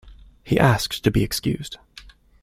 He asked to be excused